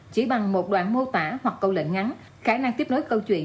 chỉ bằng một đoạn mô tả hoặc câu lệnh ngắn khả năng tiếp nối câu chuyện